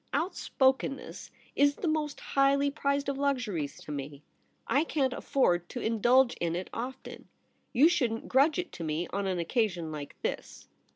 ' Outspokenness is the most highly priced of luxuries to me. I can't afford to indulge in it often. You shouldn't grudge it to me on an occasion like this.